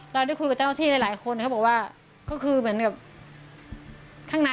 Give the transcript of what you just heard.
เราได้คุยกับเจ้าที่หลายคนเขาบอกว่าก็คือเหมือนกับข้างใน